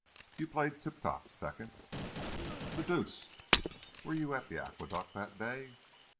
"You played Tip Top Second." "The deuce! Were you at Aqueduct that day?"